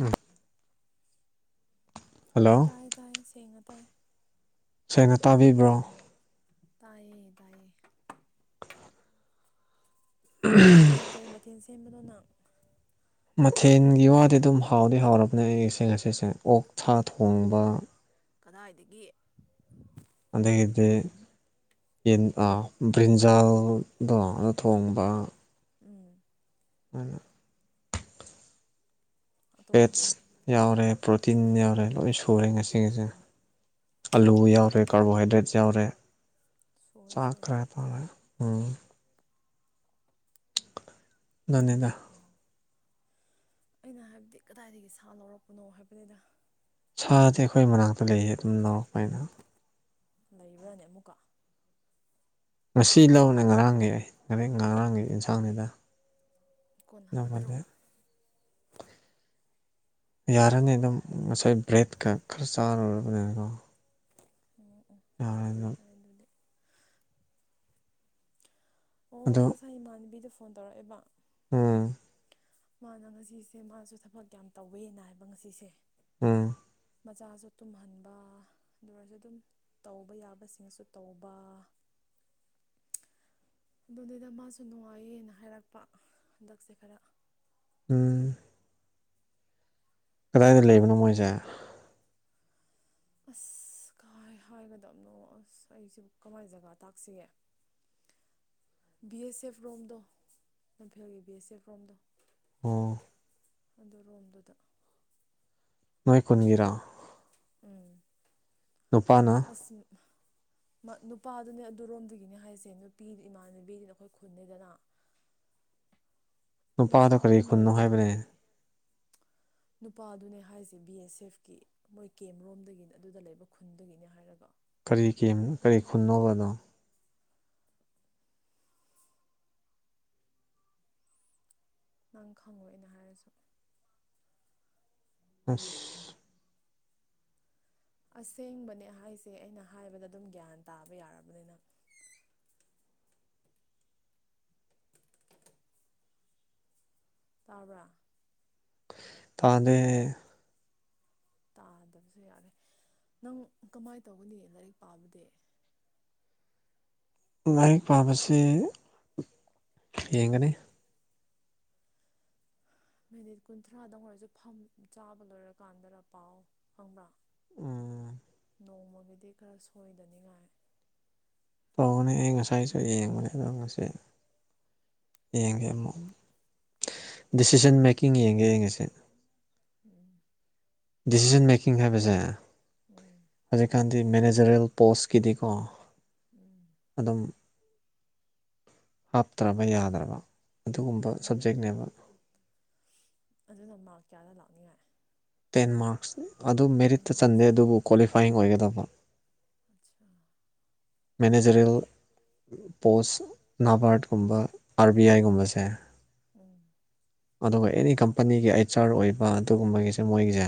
ꯎꯝ hello ꯇꯥꯏ ꯇꯥꯏ ꯁ ꯉꯗꯥꯥꯏ ꯁꯣꯏꯅ ꯇꯥꯕꯤꯕ꯭ꯔꯣ ꯇꯥꯏꯌꯦ ꯇꯥꯏꯌꯦ ꯀꯩꯀꯩ ꯃꯊꯦꯜ ꯁꯦꯝꯕꯗꯧꯅ ꯃꯊꯦꯜꯒꯤ ꯋꯥꯗꯤ ꯑꯗꯨꯝ ꯍꯥꯎꯗꯤ ꯍꯥꯎꯔꯕꯅꯦ ꯑꯩ ꯉ ꯉꯁꯤꯁꯦ ꯑꯣꯛ ꯊꯥ ꯊꯣꯡꯕ ꯀꯗꯥꯏꯗꯒꯤ ꯑꯗꯒꯤꯗꯒꯤꯗꯤ ꯕ꯭ꯔꯤꯟꯖꯥꯜꯗꯣ ꯊꯣꯡꯕ ꯎꯝ ꯃꯥꯅ ꯑꯇꯣꯞꯄꯗꯤ ꯐꯦꯠꯁ ꯌꯥꯎꯔꯦ ꯄ꯭ꯔꯣꯇꯤꯟ ꯌꯥꯎꯔꯦ ꯂꯣꯏ ꯁꯨꯔꯦ ꯉꯁꯤ ꯉꯁꯤ ꯑꯂꯨ ꯌꯥꯎꯔꯦ ꯀꯥꯔꯕꯣꯍꯥꯏꯗ꯭ꯔꯦꯠ ꯌꯥꯎꯔꯦ ꯁꯨꯔꯦ ꯁꯨꯔꯦ ꯆꯥꯛꯈ꯭ꯔꯦ ꯄꯥꯔꯦ ꯎꯝ ꯅꯤꯗ ꯑꯩꯅ ꯍꯥꯏꯕꯗꯤ ꯀꯗꯥꯏꯗꯒꯤ ꯁꯥ ꯂꯧꯔꯛꯄꯅꯣ ꯍꯥꯏꯕꯅꯤꯗ ꯁꯥꯗꯤ ꯑꯩꯈꯣꯏ ꯃꯅꯥꯛꯇ ꯂꯩꯌꯦ ꯑꯗꯨꯝ ꯂꯧꯔꯛꯄꯅ ꯂꯩꯕ꯭ꯔꯥꯅꯦ ꯑꯃꯨꯛꯀ ꯉꯁꯤ ꯂꯅꯦ ꯉꯔꯥꯡꯒꯤ ꯑꯩ ꯉꯔ ꯉꯔꯥꯡꯒꯤ ꯌꯦꯟꯁꯥꯡꯅꯤꯗ ꯀꯣꯟꯅꯒꯗ꯭ꯔꯣ ꯑꯗꯨꯕꯨꯗꯤ ꯌꯥꯔꯅꯤ ꯑꯗꯨꯝ ꯉꯁꯥꯏ ꯕ꯭ꯔꯦꯗꯀ ꯈꯔ ꯆꯥꯔꯨꯔꯕꯅꯤ ꯑꯗꯨꯗꯣ ꯎꯝ ꯎ ꯐꯔꯦ ꯐꯔꯦ ꯑꯗꯨꯗꯤ ꯑꯣ ꯉꯁꯥꯏ ꯏꯃꯥꯟꯅꯕꯤꯗ ꯐꯣꯟ ꯇꯧꯔꯛꯑꯦꯕ ꯑꯝ ꯃꯥꯅ ꯉꯁꯤꯁꯦ ꯃꯥꯁꯨ ꯊꯕꯛ ꯌꯥꯝ ꯇꯧꯋꯦꯅ ꯍꯥꯏꯕ ꯉꯁꯤꯁꯦ ꯑꯝ ꯃꯆꯥꯁꯨ ꯇꯨꯝꯍꯟꯕ ꯑꯗꯨ ꯑꯣꯏꯔꯁꯨ ꯑꯗꯨꯝ ꯇꯧꯕ ꯌꯥꯕꯁꯤꯡꯁꯨ ꯇꯧꯕ [unintelligible] ꯑꯗꯨꯗꯨꯗ ꯃꯥꯁꯨ ꯅꯨꯡꯉꯥꯏꯌꯦꯅ ꯍꯥꯏꯔꯛꯄ ꯍꯟꯗꯛꯁꯦ ꯈꯔ ꯎꯝ ꯀꯗꯥꯏꯗ ꯂꯩꯕꯅꯣ ꯃꯣꯏꯁꯦ [unintelligible] ꯑꯁ ꯀꯥꯏ ꯍꯥꯏꯒꯗꯕꯅꯣ ꯑꯁ ꯑꯩꯁꯤꯦꯕꯨ ꯀꯃꯥꯏꯅ ꯖꯒꯥ ꯇꯥꯛꯁꯤꯒꯦ ꯕꯤ ꯑꯦꯁ ꯑꯦꯐ ꯔꯣꯝꯗ ꯂꯝꯐꯦꯜꯒꯤ ꯕꯤ ꯑꯦꯁ ꯑꯦꯐ ꯔꯣꯝꯗ ꯑꯣ ꯑꯗꯨ ꯔꯣꯝꯗꯨꯗ ꯅꯣꯏ ꯀꯟꯒꯔꯥ ꯑꯁꯃꯤ ꯅꯨꯄꯥꯗꯨꯅꯦ ꯑꯗꯨꯔꯣꯝꯗꯨꯒꯤꯅꯦ ꯍꯥꯏꯁꯦ ꯅꯨꯄꯤ ꯏꯃꯥꯟꯅꯕꯤꯅꯤꯅ ꯑꯩꯈꯣꯏ ꯈꯨꯟꯅꯤꯗꯅ [unintelligible] ꯃꯆꯥ ꯅꯨꯄꯥꯗꯣ ꯀꯔꯤ ꯑꯍꯨꯝ ꯈꯨꯟꯅꯣ ꯍꯥꯏꯕꯅꯦ ꯂꯩꯕꯗꯨꯅꯦ [unintelligible] ꯅꯨꯄꯥꯗꯨꯅꯦ ꯍꯥꯏꯁꯦ ꯕꯤ ꯑꯦꯁ ꯑꯦꯐꯀꯤ ꯃꯣꯏ ꯀꯦꯝꯦꯝ ꯔꯣꯝꯗꯒꯤꯅꯤ ꯑꯗꯨꯗ ꯂꯩꯕ ꯈꯨꯟꯗꯒꯤꯅꯦ ꯍꯥꯏꯔꯒ ꯀꯔꯤꯒꯤ ꯀꯔꯤ ꯈꯨꯟꯅꯧꯕꯅꯣ ꯅꯪ ꯈꯪꯉꯣꯅ ꯍꯥꯏꯔꯁꯨ ꯑꯁ ꯑꯁꯦꯡꯕꯅꯦ ꯍꯥꯏꯁꯦ ꯑꯩꯅ ꯍꯥꯏꯕꯗ ꯑꯗꯨꯝ ꯒ꯭ꯌꯥꯟ ꯇꯥꯕ ꯌꯥꯔꯕꯅꯤꯅ [unintelligible] ꯇꯥꯕ꯭ꯔ ꯇꯥꯗ ꯇꯥꯗꯕꯁꯨ ꯌꯥꯔꯦ ꯅꯪ ꯀꯃꯥꯏꯅ ꯇꯧꯒꯅꯤ ꯂꯥꯏꯔꯤꯛ ꯄꯥꯕꯗꯤ ꯂꯥꯏꯔꯤꯛ ꯄꯥꯕꯁꯤ ꯌꯦꯡꯒꯅꯤ ꯃꯤꯅꯤꯠ ꯀꯨꯟꯊ꯭ꯔꯥꯗ ꯑꯣꯏꯔꯁꯨ ꯆꯥꯕ ꯂꯣꯏꯔꯀꯥꯟꯗꯅ ꯄꯥꯎ ꯐꯪꯕ꯭ꯔꯥ ꯎꯝ ꯅꯣꯡꯃꯒꯤꯗꯤ ꯈꯔ ꯁꯣꯏꯗꯅꯤꯉꯥꯏ ꯇꯧꯅꯦ ꯑꯩ ꯉꯁꯥꯏꯁꯨ ꯌꯦꯡꯕꯅꯦ ꯑꯗꯣ ꯉꯁꯤ ꯌꯦꯡꯒꯦ ꯑꯃꯨꯛ ꯗꯤꯁꯤꯖꯟ ꯃꯦꯀꯤꯡ ꯌꯦꯡꯒꯦ ꯌꯦꯡꯉꯁꯦ ꯎꯝ ꯗꯤꯁꯤꯖꯟ ꯃꯦꯀꯤꯡ ꯍꯥꯏꯕꯁꯦ ꯎꯝ ꯍꯧꯖꯤꯛꯀꯥꯟꯗꯤ ꯃꯦꯅꯦꯖꯔꯦꯜ ꯄꯣꯁꯀꯤꯗꯤꯀꯣ ꯎꯝ ꯑꯗꯨꯝ ꯍꯥꯞꯇ꯭ꯔꯕ ꯌꯥꯗ꯭ꯔꯕ ꯑꯗꯨꯒꯨꯝꯕ ꯎꯝ ꯁꯕꯖꯦꯛꯅꯦꯕ ꯑꯗꯨꯅ ꯃꯥꯔ ꯀꯌꯥꯗ ꯂꯥꯛꯅꯤꯉꯥꯏ ꯇꯦꯟ ꯃꯥꯔꯛꯁ ꯑꯗꯨ ꯇꯦꯟ ꯃꯦꯔꯤꯠꯇ ꯆꯟꯗꯦ ꯃꯥꯔꯛꯁꯀꯤ ꯑꯗꯨꯕꯨ ꯀ꯭ꯋꯥꯂꯤꯐꯥꯏꯤꯡ ꯑꯣꯏꯒꯗꯕ ꯑꯆꯥ ꯃꯅꯦꯖꯔꯦꯜ ꯄꯣꯁ ꯅꯥꯕꯥꯔꯠꯀꯨꯝꯕ ꯑꯥꯔ ꯕꯤ ꯑꯥꯏꯒꯨꯝꯕꯁꯦ ꯎꯝ ꯑꯗꯨꯒ ꯑꯦꯅꯤ ꯀꯝꯄꯅꯤꯒꯤ ꯑꯩꯆ ꯑꯥꯔ ꯑꯣꯏꯕ ꯑꯗꯨꯒꯨꯝꯕꯒꯤꯁꯦ ꯃꯣꯏꯒꯤꯁꯦ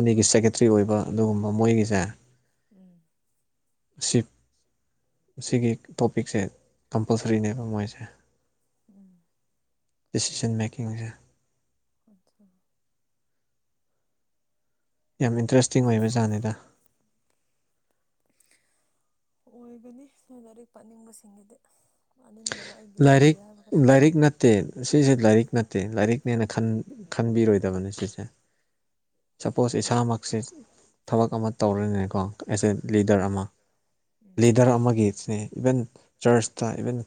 ꯎꯝ ꯁꯦꯀ꯭ꯔꯦꯇꯔꯤ ꯑꯣꯏꯕ ꯑꯗꯨꯒꯨꯝꯕ ꯃꯣꯏꯒꯤꯁꯦ ꯎꯝ ꯑꯁꯤ ꯁꯤꯒꯤ ꯇꯣꯄꯤꯛꯁꯦ ꯀꯝꯄꯜꯁꯔꯤꯅꯦꯕ ꯃꯣꯏꯁꯦ ꯎꯝ ꯗꯤꯁꯤꯖꯟ ꯃꯦꯀꯤꯡꯁꯦ ꯑꯆꯥ ꯌꯥꯝ ꯏꯟꯇꯔꯦꯁꯇꯤꯡ ꯑꯣꯏꯕ ꯖꯍꯥꯟꯅꯤꯗ ꯑꯣꯏꯒꯅꯤ ꯂꯥꯏꯔꯤꯛ ꯄꯥꯅꯤꯡꯕꯁꯤꯡꯒꯤꯗꯤ ꯄꯥꯅꯤꯡꯗꯕ ꯑꯩꯒꯤ ꯂꯥꯏꯔꯤꯛ ꯑꯣꯏꯗꯦ ꯍꯥꯏꯕ ꯈꯛꯇꯪꯅꯦ ꯂꯥꯏꯔꯤꯛ ꯅꯠꯇꯦ ꯁꯤꯁꯦ ꯂꯥꯏꯔꯤꯛ ꯅꯠꯇꯦ ꯅꯠꯇꯦ ꯂꯥꯏꯔꯤꯛꯅꯦꯅ ꯈꯟꯕꯤꯔꯣꯏꯗꯕꯅꯤ ꯁꯤꯁꯦ ꯁꯄꯣꯁ ꯏꯁꯥꯃꯛꯁꯦ ꯊꯕꯛ ꯑꯃ ꯇꯧꯔꯤꯅꯤꯅꯦꯀꯣ ꯑꯦꯁ ꯑꯦ ꯂꯤꯗꯔ ꯎꯝ ꯑꯃ ꯎꯝ ꯂꯤꯗꯔ ꯑꯃꯒꯤꯁꯦ ꯏꯚꯟ ꯆꯔꯁꯇ ꯏꯚꯟ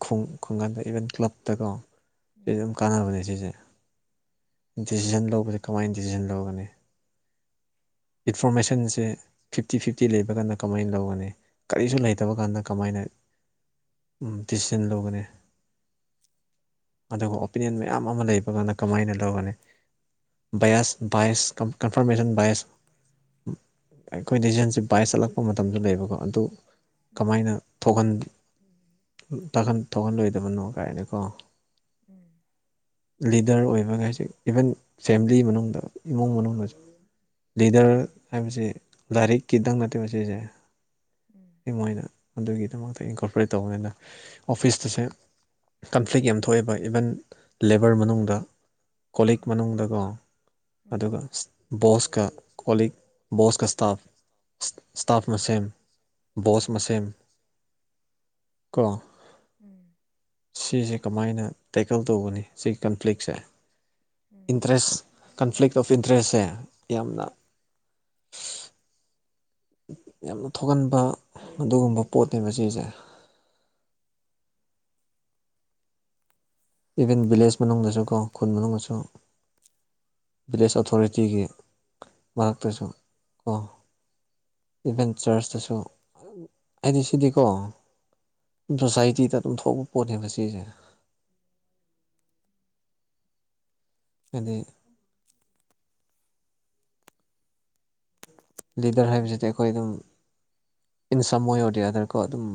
ꯈꯨꯡꯒꯪꯗ ꯏꯚꯟ ꯀ꯭ꯂꯞꯇꯀꯣ ꯁꯤ ꯎꯝ ꯑꯗꯨꯝ ꯀꯥꯟꯅꯕꯅꯦ ꯁꯤꯁꯦ ꯗꯤꯁꯤꯖꯟ ꯂꯧꯕꯁꯦ ꯀꯃꯥꯏꯅ ꯗꯤꯁꯤꯖꯟ ꯂꯧꯒꯅꯤ ꯏꯟꯐꯣꯔꯃꯦꯁꯟꯁꯦ ꯐꯤꯞꯇꯤ ꯐꯤꯞꯇꯤ ꯂꯩꯕꯒꯥꯟꯗ ꯀꯃꯥꯏꯅ ꯂꯧꯒꯅꯤ ꯀꯔꯤꯁꯨ ꯂꯩꯇꯕ ꯀꯥꯟꯗ ꯀꯃꯥꯏꯅ ꯗꯤꯁꯤꯖꯟ ꯂꯧꯒꯅꯤ ꯑꯗꯨꯒ ꯑꯣꯄꯤꯅꯤꯌꯟ ꯃꯌꯥꯝ ꯑꯃ ꯂꯩꯕ ꯀꯥꯟꯗ ꯀꯃꯥꯏꯅ ꯂꯧꯒꯅꯤ ꯁ ꯏꯁ ꯀꯟꯐꯔꯃꯦꯁꯟ ꯥꯏꯁ ꯑꯩꯈꯣꯏ ꯗꯤꯖꯟꯁꯦ ꯕꯥꯏ ꯆꯠꯂꯛꯄ ꯃꯇꯝꯗ ꯂꯩꯕꯀꯣ ꯑꯗꯨ ꯎꯝ ꯀꯃꯥꯏꯅ ꯊꯣꯛꯍꯟꯂꯣꯏ ꯊꯥꯛꯍꯟ ꯊꯣꯛꯍꯟꯂꯣꯢ ꯕꯅꯣ ꯀꯥꯏꯅꯦꯀꯣ ꯎꯝ ꯂꯤꯗꯔ ꯑꯣꯏꯕꯒ ꯍꯥꯏꯁꯦ ꯏꯚꯟ ꯐꯦꯃꯤꯂꯤ ꯃꯅꯨꯡꯗ ꯏꯃꯨꯡ ꯃꯅꯨꯡꯗꯁꯨ ꯂꯤꯗꯔ ꯍꯥꯏꯕꯁꯤ ꯂꯥꯏꯔꯤꯛꯀꯤꯗꯪ ꯅꯠꯇꯦ ꯁꯤꯁꯦ ꯎꯝ ꯑꯩ ꯃꯣꯏꯅ ꯑꯗꯨꯒꯤꯗꯃꯛꯇ ꯏꯟꯀꯣꯄꯔꯦꯠ ꯇꯧꯕꯅꯤꯅ ꯑꯣꯐꯤꯁꯇꯨꯁꯦ ꯀꯟꯐ꯭ꯂꯤꯛ ꯌꯥꯝ ꯊꯣꯛꯑꯦꯕ ꯏꯕꯟ ꯂꯦꯕꯔ ꯃꯅꯨꯡꯗ ꯀꯣꯂꯤꯛ ꯃꯅꯨꯡꯗꯀꯣ ꯎꯝ ꯑꯗꯨꯒ ꯕꯣꯁꯀ ꯀꯣꯂꯤꯛ ꯕꯣꯁꯀ ꯏꯁꯇꯥꯐ ꯏꯁꯇꯥꯐ ꯃꯁꯦꯟ ꯕꯣꯁ ꯎꯝ ꯃꯁꯦꯟ ꯀꯣ ꯎꯝ ꯁꯤꯁꯦ ꯀꯃꯥꯏꯅ ꯇꯦꯀꯜ ꯇꯧꯕꯒꯅꯤ ꯁꯤ ꯀꯟꯐ꯭ꯂꯤꯛꯁꯦ ꯎꯝ ꯏꯟꯇꯔꯦꯁ ꯀꯟꯐ꯭ꯂꯤꯛ ꯑꯣꯐ ꯏꯟꯇꯔꯦꯁꯁꯦ ꯌꯥꯝꯅ [inaudible] ꯌꯥꯝꯅ ꯊꯣꯛꯍꯟꯕ ꯑꯗꯨꯒꯨꯝꯕ ꯄꯣꯠꯅꯦ ꯁꯤꯁꯦ [inaudible] ꯏꯚꯟ ꯚꯤꯂꯦꯖ ꯃꯅꯨꯡꯗꯁꯨ ꯀꯣ ꯈꯨꯟ ꯃꯅꯨꯡꯗꯁꯨ ꯚꯤꯂꯦꯖ ꯑꯣꯊꯣꯔꯤꯇꯤꯒꯤ ꯃꯔꯛꯇꯁꯨ ꯀꯣ ꯏꯚꯦꯟ ꯆꯔꯆꯇꯁꯨ ꯍꯥꯏꯗꯤ ꯁꯤꯗꯤꯀꯣ ꯁꯣꯁꯥꯏꯇꯤꯗ ꯑꯗꯨꯝ ꯊꯣꯛꯄ ꯄꯣꯠꯅꯦꯕ ꯁꯤꯁꯦ ꯑꯗꯨꯗꯤ ꯂꯤꯗꯔ ꯍꯥꯏꯕꯁꯤꯗꯤ ꯑꯩꯈꯣꯏ ꯑꯗꯨꯝ ꯏꯟ ꯁꯃꯣꯏ ꯑꯣꯏꯗꯤ ꯌꯥꯗꯅꯀꯣ ꯑꯗꯨꯝ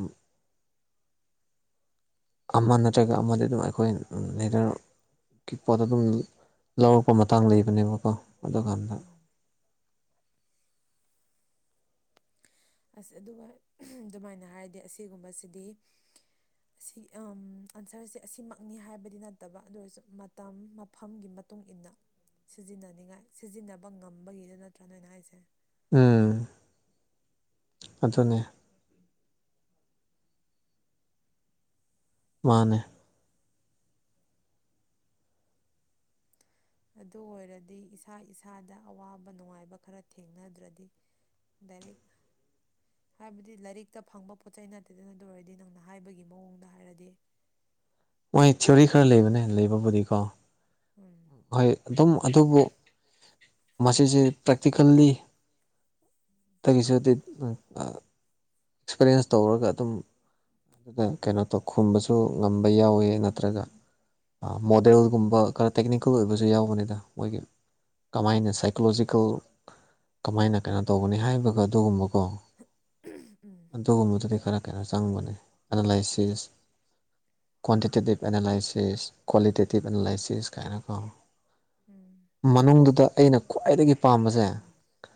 ꯑꯃ ꯅꯠꯇ꯭ꯔꯒ ꯑꯃꯗꯤ ꯑꯗꯨꯝ ꯑꯩꯈꯣꯏ ꯂꯤꯗꯔꯒꯤ ꯄꯣꯠꯇ ꯑꯗꯨꯝ ꯂꯧꯔꯛꯄ ꯃꯇꯥꯡ ꯂꯩꯕꯅꯦꯕꯀꯣ ꯑꯗꯨ ꯀꯥꯟꯗ ꯎꯝ ꯑꯁ ꯑꯗꯨꯒ ꯑꯗꯨꯃꯥꯏꯅ ꯍꯥꯏꯔꯗꯤ ꯑꯁꯤꯒꯨꯝꯕꯁꯤꯗꯤ ꯁꯤ ꯑꯟꯁꯔꯁꯦ ꯑꯁꯤꯃꯛꯅꯤ ꯍꯥꯏꯕꯗꯤ ꯅꯠꯇꯕ ꯑꯗꯨ ꯑꯣꯏꯔꯁꯨ ꯃꯇꯝ ꯃꯐꯝꯒꯤ ꯃꯇꯨꯡ ꯏꯟꯅ ꯁꯤꯖꯤꯟꯅꯅꯤꯡꯉꯥꯏ ꯁꯤꯖꯤꯟꯅꯕ ꯉꯝꯕꯒꯤꯗ ꯅꯠꯇ꯭ꯔ ꯅ ꯑꯅ ꯍꯥꯏꯁꯦ ꯎꯝ ꯑꯗꯨꯅꯦ ꯃꯥꯅꯦ ꯑꯗꯨ ꯑꯣꯏꯔꯗꯤ ꯏꯁꯥ ꯏꯁꯥꯗ ꯑꯋꯥꯕ ꯅꯨꯡꯉꯥꯏꯕ ꯈꯔ ꯊꯦꯡꯅꯗ꯭ꯔꯗꯤ ꯗꯥꯢꯔꯦꯛ ꯍꯥꯏꯕꯗꯤ ꯂꯥꯏꯔꯤꯛꯇ ꯐꯪꯕ ꯄꯣꯠ ꯆꯩ ꯅꯠꯇꯦꯗꯅ ꯑꯗꯨ ꯑꯣꯏꯔꯗꯤ ꯅꯪꯅ ꯍꯥꯏꯕꯒꯤ ꯃꯑꯣꯡꯗ ꯍꯥꯏꯔꯗꯤ ꯃꯣꯏ ꯊꯤꯑꯣꯔꯤ ꯈꯔ ꯂꯩꯕꯅꯦ ꯂꯩꯕꯕꯨꯗꯤꯀꯣ ꯎꯝ ꯍꯣꯏ ꯑꯗꯨꯝ ꯑꯗꯨꯕꯨ ꯃꯁꯤꯁꯦ ꯄ꯭ꯔꯦꯛꯇꯤꯀꯦꯜꯂꯤ ꯇꯒꯤꯁꯨꯗꯤ ꯑꯦꯛꯁꯄꯤꯔꯤꯌꯦꯟꯁ ꯇꯧꯔꯒ ꯑꯗꯨꯝ ꯑꯗꯨꯗ ꯀꯩꯅꯣ ꯇꯧ ꯈꯨꯝꯕꯁꯨ ꯉꯝꯕ ꯌꯥꯎꯋꯦ ꯅꯠꯇ꯭ꯔꯒ ꯃꯣꯗꯦꯜꯒꯨꯝꯕ ꯈꯔ ꯇꯦꯛꯅꯤꯀꯦꯜ ꯑꯣꯏꯕꯁꯨ ꯌꯥꯎꯕꯅꯤꯗ ꯃꯣꯏꯒꯤ ꯀꯃꯥꯏꯅ ꯎꯝ ꯁꯥꯏꯀꯣꯂꯣꯖꯤꯀꯦꯜ ꯀꯃꯥꯏꯅ ꯀꯩꯅꯣ ꯇꯧꯒꯅꯤ ꯍꯥꯏꯕꯒ ꯑꯗꯨꯒꯨꯝꯕꯀꯣ ꯎꯝ ꯑꯗꯨꯒꯨꯝꯕꯗꯨꯗꯤ ꯈꯔ ꯀꯩꯅꯣ ꯆꯪꯕꯅꯦ analysis quantitative analysis qualitative analysis ꯀꯥꯏꯅꯀꯣ ꯎꯝ ꯃꯅꯨꯡꯗꯨꯗ ꯑꯩꯅ ꯈ꯭ꯋꯥꯏꯗꯒꯤ ꯄꯥꯝꯕꯁꯦ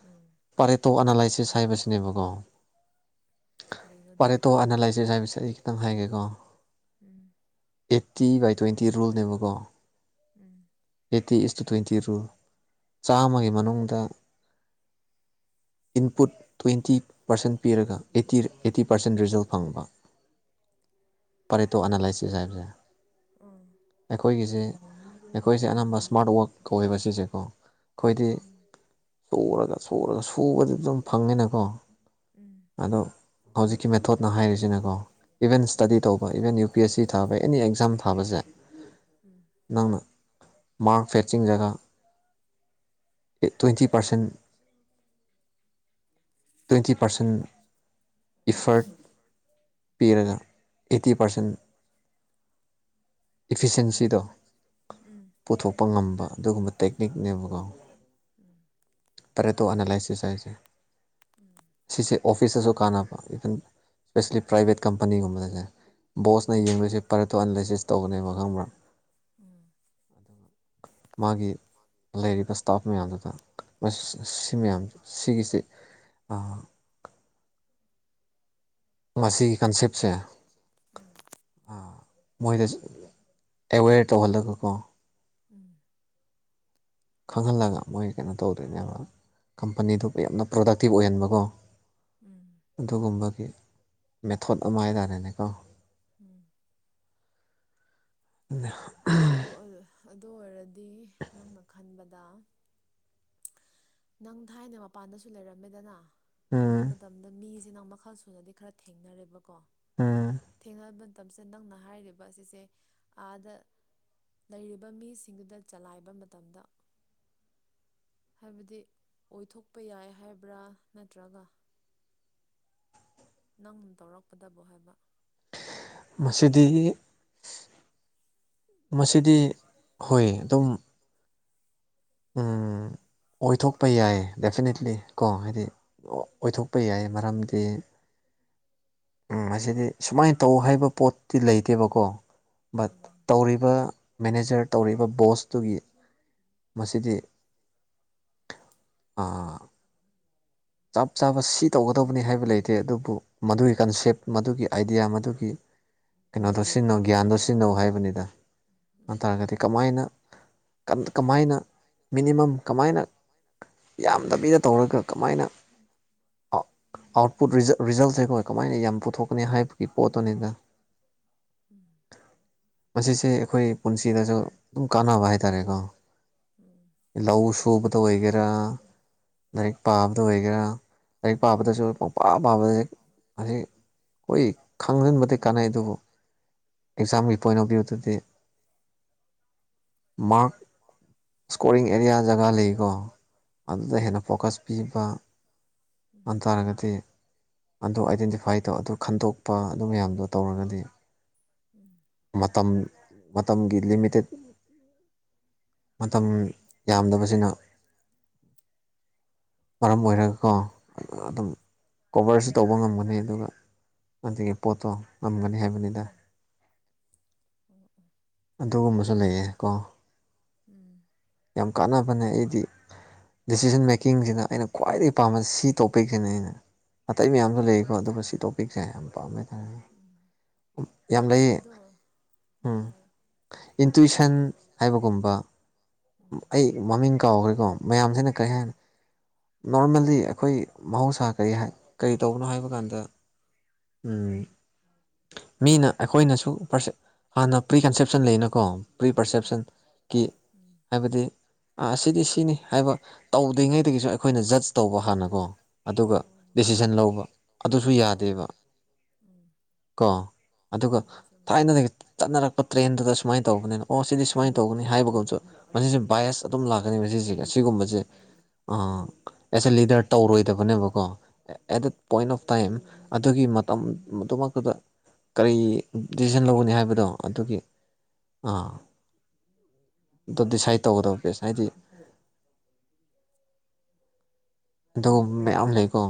ꯎꯝ ꯄꯥꯔꯦꯇꯣ ꯑꯅꯥꯂꯥꯏꯁꯤꯁ ꯍꯥꯏꯕꯁꯤꯅꯦꯕꯀꯣ ꯀꯔꯤꯅꯣ ꯐꯔꯦ ꯑꯗꯨꯅ ꯇꯣ ꯑꯅꯥꯂꯥꯏꯖꯁ ꯍꯥꯏꯃꯤꯁ ꯑꯩ ꯈꯤꯇꯪ ꯍꯥꯏꯒꯦꯀꯣ ꯎꯝ ꯎꯝ ꯑꯣ ꯎꯝ ꯎꯝ ꯎꯝ ꯎꯝ ꯎꯝ ꯎꯝ ꯎꯝ ꯎꯝ ꯎꯝ ꯎꯝ ꯑꯦꯠꯇꯤ ꯕꯥꯏ ꯇ꯭ꯋꯦꯟꯇꯤ ꯔꯨꯜꯅꯦꯕꯀꯣ eighty is to twenty rule ꯆꯥꯝꯃꯒꯤ ꯃꯅꯨꯡꯗ ꯏꯟꯄꯨꯠ ꯇ꯭ꯋꯦꯟꯇꯤ ꯄꯥꯔꯁꯦꯟ ꯄꯤꯔꯒ ꯑꯩꯠꯇꯤ ꯑꯩꯠꯇꯤ ꯄꯥꯔꯁꯦꯟ ꯔꯤꯖꯜ ꯐꯪꯕ ꯄꯔꯦꯇꯣ ꯑꯅꯥꯂꯥꯏꯁꯤꯁ ꯍꯥꯏꯕꯁꯦ ꯑꯩꯈꯣꯏꯒꯤꯁꯦ ꯑꯩꯈꯣꯏꯁꯦ ꯑꯅꯝꯕ ꯏꯁꯃꯥꯔꯠ ꯋꯛ ꯀꯧꯋꯦꯕ ꯁꯤꯁꯦꯀꯣ ꯑꯩꯈꯣꯏꯗꯤ ꯁꯨꯔꯒ ꯁꯨꯔꯒ ꯁꯨꯕꯗꯤ ꯑꯗꯨꯝ ꯐꯪꯉꯤꯅꯀꯣ ꯑꯗꯣ ꯍꯧꯖꯤꯛꯀꯤ ꯃꯦꯊꯣꯠꯅ ꯍꯥꯏꯔꯤꯁꯤꯅꯀꯣ ꯏꯚꯟ ꯁ꯭ꯇꯗꯤ ꯇꯧꯕ even U P S C ꯊꯩ ꯑꯦꯅꯤ ꯑꯦꯛꯖꯥꯝ ꯊꯕꯁꯦ ꯅꯪꯅ ꯃꯥꯥꯡꯛ ꯐꯦꯠꯆꯤꯡ ꯒꯥ twenty percent twenty percent effort ꯄꯤꯔꯒ ꯑꯦꯠꯇꯤ ꯄꯥꯔꯁꯦꯟ ꯏꯐꯤꯁꯦꯟꯁꯤꯗꯣ ꯄꯨꯊꯣꯛꯄ ꯉꯝꯕ ꯑꯗꯨꯒꯨꯝꯕ ꯇꯦꯛꯅꯤꯛꯅꯦꯕꯀꯣ ꯎꯝ ꯑꯦꯥꯏꯁꯤꯁ ꯍꯥꯏꯁ ꯁꯤ ꯑꯣꯐꯤꯁꯇꯁꯨ ꯀꯥꯟꯅꯕ ꯏꯚꯟ ꯏꯁꯄꯦꯁꯜꯂꯤ ꯄ꯭ꯔꯥꯏꯚꯦꯠ ꯀꯝꯄꯅꯤꯒꯨꯝꯕꯗꯁꯦ ꯕꯣꯁꯅ ꯌꯦꯡꯗꯣꯏꯁꯦ ꯄꯔꯠꯇꯣ ꯑꯅꯥꯂꯥꯏꯁꯤꯁ ꯇꯧꯧꯕꯅꯦꯕ ꯈꯪꯕ꯭ꯔꯥ ꯎꯝ ꯃꯥꯒꯤ ꯂꯩꯔꯤꯕ ꯏꯁꯇꯥꯐ ꯃꯌꯥꯝꯗꯨꯗ ꯁꯤ ꯃꯌꯥꯝ ꯁꯤꯒꯤꯁꯤꯦ ꯑꯥ ꯃꯁꯤꯒꯤ ꯃꯁꯤꯒꯤ ꯀꯟꯁꯦꯞꯁꯦ ꯀꯟꯦꯞꯁꯦ ꯎ ꯃꯣꯏꯗ ꯑꯦꯋꯦꯔ ꯇꯧꯍꯜꯂꯒꯀꯣ ꯎꯝ ꯈꯪꯍꯜꯂꯒ ꯃꯣꯏ ꯀꯩꯅꯣ ꯇꯧꯗ꯭ꯣꯏꯅꯦꯕ ꯀꯝꯄꯅꯤꯗꯨꯕꯨ ꯌꯥꯝꯅ ꯄ꯭ꯔꯗꯛꯇꯤꯞ ꯑꯣꯏꯍꯟꯕꯀꯣ ꯎꯝ ꯎꯝ ꯑꯗꯨꯒꯨꯝꯕꯒꯤ ꯃꯦꯊꯣꯠ ꯑꯃ ꯍꯥꯏꯇꯥꯔꯦꯅꯦꯀꯣ ꯎꯝ ꯑꯗꯨ ꯑꯣꯏꯔꯗꯤ ꯅꯪꯅ ꯈꯟꯕꯗ ꯅꯪ ꯊꯥꯏꯅ ꯃꯄꯥꯟꯗꯁꯨ ꯂꯩꯔꯝꯃꯦꯗꯅ ꯑꯗꯨ ꯎꯝ ꯃꯇꯝꯗ ꯃꯤꯁ ꯁꯤ ꯅꯪ ꯃꯈꯜ ꯁꯨꯅꯗꯤ ꯈꯔ ꯊꯦꯡꯅꯔꯦꯕꯀꯣ ꯎꯝ ꯊꯦꯡ ꯃꯇꯝꯁꯦ ꯅꯪꯅ ꯍꯥꯏꯔꯤꯕ ꯑꯁꯤꯁꯦ ꯑꯥꯗ ꯂꯩꯔꯤꯕ ꯃꯤꯁꯤꯡꯗꯨꯗ ꯆꯂꯥꯏꯕ ꯃꯇꯝꯗ ꯍꯥꯏꯕꯗꯤ ꯑꯣꯏꯊꯣꯛꯄ ꯌꯥꯏ ꯍꯥꯏꯕ꯭ꯔꯥ ꯅꯠꯇ꯭ꯔꯒ ꯅꯪ ꯇꯧꯔꯛꯀꯗꯕꯣ ꯍꯥꯏꯕ ꯃꯁꯤꯗꯤ ꯃꯁꯤꯗꯤ ꯍꯣꯏ ꯑꯗꯨꯝ ꯎꯝ ꯑꯣꯏꯊꯣꯛꯄ ꯌꯥꯏ ꯗꯦꯐꯤꯅꯦꯠꯂꯤ ꯀꯣ ꯍꯥꯏꯗꯤ ꯑꯣꯏꯊꯣꯛꯄ ꯌꯥꯏ ꯃꯔꯝꯗꯤ ꯃꯁꯤꯗꯤ ꯁꯨꯃꯥꯏꯅ ꯇꯧ ꯍꯥꯏꯕ ꯄꯣꯠꯇꯤ ꯂꯩꯇꯦꯕꯀꯣ ꯕꯠ ꯎꯝ ꯇꯧꯔꯤꯕ ꯃꯦꯅꯦꯖꯔ ꯇꯧꯔꯤꯕ ꯕꯣꯁꯇꯨꯒꯤ ꯁꯤꯗꯤ ꯆꯞ ꯆꯥꯕ ꯁꯤ ꯇꯧꯒꯗꯧꯕꯅꯤ ꯍꯥꯏꯕ ꯂꯩꯇꯦ ꯑꯗꯨꯕꯨ ꯃꯗꯨꯒꯤ ꯀꯟꯁꯦꯞ ꯃꯗꯨꯒꯤ ꯑꯥꯏꯗꯤꯌꯥ ꯃꯗꯨꯒꯤ ꯀꯩꯅꯣꯗꯣ ꯁꯤꯖꯤꯟꯅꯧ ꯒ꯭ꯌꯥꯟꯗꯣ ꯁꯤꯖꯤꯟꯅꯧ ꯍꯥꯏꯕꯅꯤꯗ ꯎꯝ ꯑꯗꯨꯇꯥꯔꯒꯗꯤ ꯀꯃꯥꯏꯅ ꯀꯃꯥꯏꯅ ꯃꯤꯅꯤꯃꯝ ꯀꯃꯥꯏꯅ ꯌꯥꯝꯗꯕꯤꯗ ꯇꯧꯔꯒ ꯀꯃꯥꯏꯅ ꯑꯥꯎꯠꯄꯨꯠ ꯔꯤꯖꯜꯁꯦ ꯑꯩꯈꯣꯏ ꯀꯃꯥꯏꯅ ꯌꯥꯝ ꯄꯨꯊꯣꯛꯀꯅꯤ ꯍꯥꯏꯕꯒꯤ ꯄꯣꯠꯇꯨꯅꯤꯅ ꯎꯝ [unintelligible] ꯃꯁꯤꯁꯦ ꯑꯩꯈꯣꯏ ꯄꯨꯟꯁꯤꯗꯁꯨ ꯑꯗꯨꯝ ꯀꯥꯟꯅꯕ ꯍꯥꯏꯇꯥꯔꯦꯀꯣ ꯎꯝ ꯂꯧ ꯁꯨꯕꯗ ꯑꯣꯏꯒꯦꯔꯥ ꯑꯥꯏꯛ ꯄꯥꯕꯗ ꯑꯣꯏꯒꯦꯔꯥ ꯂꯥꯏꯔꯤꯛ ꯎꯝ ꯄꯥꯕꯗꯁꯨ ꯄꯨꯡ ꯄꯥꯝ ꯄꯥꯕꯗ ꯍꯧꯖꯤꯛ ꯍꯣꯏ ꯈꯪꯍꯟꯕꯗꯤ ꯀꯥꯟꯅꯩ ꯑꯗꯨꯕꯨ ꯑꯦꯛꯖꯥꯝꯒꯤ ꯄꯣꯏꯟ ꯑꯣꯐ ꯚ꯭ꯌꯨꯗꯗꯤ ꯃꯥꯔꯛ ꯏꯁꯀꯣꯔꯤꯡ ꯑꯦꯔꯤꯌꯥ ꯖꯒꯥ ꯂꯩꯀꯣ ꯎꯝ ꯑꯗꯨꯗ ꯍꯦꯟꯅ ꯐꯣꯀꯁ ꯄꯤꯕ ꯎꯝ ꯑꯗꯨꯟ ꯇꯥꯔꯒꯗꯤ ꯑꯗꯨ ꯑꯥꯏꯗꯦꯟꯇꯤꯐꯥꯏ ꯇꯧ ꯑꯗꯨ ꯈꯟꯗꯣꯛꯄ ꯑꯗꯨ ꯃꯌꯥꯝꯗꯣ ꯇꯧꯔꯒꯗꯤ ꯎꯝ ꯃꯇꯝ ꯃꯇꯝꯒꯤ ꯂꯤꯃꯤꯇꯦꯠ ꯃꯇꯝ ꯌꯥꯝꯗꯕꯁꯤꯅ ꯃꯔꯝ ꯑꯣꯏꯔꯒꯀꯣ ꯑꯗꯨꯝ ꯀꯣꯕꯔꯁꯨ ꯇꯧꯕ ꯉꯝꯒꯅꯤ ꯑꯗꯨꯒ ꯑꯗꯨꯗꯒꯤ ꯄꯣꯠꯇꯣ ꯉꯝꯒꯅꯤ ꯍꯥꯏꯕꯅꯤꯗ ꯎꯝ ꯎꯝ ꯑꯣ ꯑꯗꯨꯒꯨꯝꯕꯁꯨ ꯂꯩꯌꯦ ꯀꯣ ꯎꯝ ꯌꯥꯝ ꯀꯥꯟꯅꯕꯅꯦ ꯑꯩꯗꯤ ꯗꯤꯁꯤꯖꯟ ꯀꯨꯀꯤꯡꯁꯤꯅ ꯑꯩꯅ ꯈ꯭ꯋꯥꯏꯗꯒꯤ ꯄꯥꯝꯕ ꯁꯤ ꯇꯣꯄꯤꯛꯁꯤꯅꯦ ꯑꯩꯅ ꯑꯇꯩ ꯃꯌꯥꯝꯁꯨ ꯂꯩꯀꯣ ꯑꯠꯆꯥ ꯑꯗꯨꯒ ꯁꯤ ꯇꯣꯄꯤꯛꯁꯦ ꯌꯥꯝ ꯄꯥꯝꯃꯦꯇꯥꯥꯔꯦꯅꯦ ꯎꯝ ꯌꯥꯝ ꯂꯩ ꯑꯗꯣ ꯎꯝ ꯏꯟꯇꯨꯤꯁꯟ ꯍꯥꯏꯕꯒꯨꯝꯕ ꯎꯝ ꯑꯩ ꯃꯃꯤꯡ ꯀꯥꯎꯈ꯭ꯔꯦꯀꯣ ꯃꯌꯥꯝꯁꯤꯅ ꯀꯔꯤ ꯍꯥꯏ ꯍꯥꯏ ꯅꯣꯔꯃꯦꯜꯂꯤ ꯑꯩꯈꯣꯏ ꯃꯍꯧꯁꯥ ꯀꯔꯤ ꯀꯔꯤ ꯇꯧꯕꯅꯣ ꯍꯥꯏꯕ ꯀꯥꯟꯗ ꯃꯤꯅ ꯑꯩꯈꯣꯏꯅꯁꯨ ꯄꯁ ꯍꯥꯟꯅ ꯄ꯭ꯔꯤ ꯀꯟꯁꯦꯞꯁꯟ ꯂꯩꯅꯀꯣ ꯄ꯭ꯔꯤ ꯄ꯭ꯔꯁꯦꯞꯁꯟꯒꯤ ꯎꯝ ꯑꯗ ꯑꯥ ꯑꯁꯤꯗꯤ ꯁꯤꯅꯤ ꯍꯥꯏꯕ ꯇꯧꯗ꯭ꯔꯤꯉꯩꯗꯒꯤꯁꯨ ꯑꯩꯈꯣꯏꯅ ꯖꯁ ꯇꯧꯕ ꯍꯥꯟꯅꯀꯣ ꯑꯗꯨꯒ ꯑꯣ ꯗꯤꯁꯤꯖꯟ ꯂꯧꯕ ꯑꯗꯨꯁꯨ ꯑꯣ ꯌꯥꯗꯦꯕ ꯎꯝ ꯀꯣ ꯑꯗꯨꯒ ꯆꯨꯝꯃꯦ ꯆꯨꯝꯃꯦ ꯊꯥꯏꯅꯗꯒꯤ ꯆꯠꯅꯔꯛꯄ ꯇ꯭ꯔꯦꯟꯗꯨꯗ ꯁꯨꯃꯥꯏꯅ ꯇꯧꯕꯅꯤꯅ ꯑꯣ ꯁꯤꯗꯤ ꯁꯨꯃꯥꯏꯅ ꯇꯧꯕꯅꯤ ꯍꯥꯏꯕꯒꯁꯨ ꯃꯁꯤꯁꯦ ꯕꯥꯏꯁ ꯑꯗꯨꯝ ꯂꯥꯛꯀꯅꯤ ꯃꯁꯤꯁ ꯑꯁꯤꯒꯨꯝꯕꯁꯦ ꯑꯦꯁ ꯑꯦ ꯂꯤꯗꯔ ꯇꯧꯔꯣꯏꯗꯕꯅꯦꯕꯀꯣ at the point of time ꯑꯗꯨꯒꯤ ꯃꯇꯝ ꯑꯗꯨꯃꯛꯇꯨꯗ ꯀꯔꯤ ꯗꯤꯁꯤꯖꯟ ꯂꯧꯒꯅꯤ ꯍꯥꯏꯕꯗꯣ ꯑꯗꯨꯒꯤ ꯑꯥ ꯑꯗꯣ ꯗꯤꯁꯥꯏꯠ ꯇꯧꯒꯗꯕ ꯦꯁ ꯍꯥꯏꯗꯤ ꯑꯗꯣꯝ ꯂꯩꯀꯣ